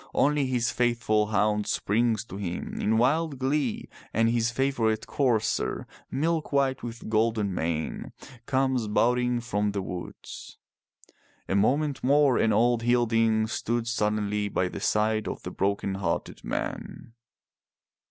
Only his faithful hound springs to him in wild glee and his favorite courser, milk white with golden mane, comes bounding from the woods. A moment more and old Hilding stood suddenly by the side of the broken hearted man.